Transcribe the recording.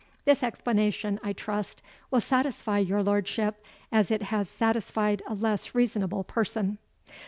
This explanation, I trust, will satisfy your lordship, as it has satisfied a less reasonable person."